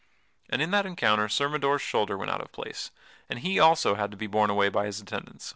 And in that encounter Sir Mador's shoulder went out of place, and he also had to be borne away by his attendants.